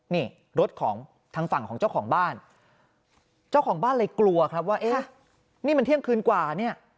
นี่รถของทางฝั่งของเจ้าของบ้านเจ้าของบ้านเลยกลัวครับว่าเอ๊ะนี่มันเที่ยงคืนกว่าเนี่ย